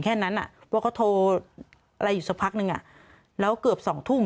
แล้วก็ภาพ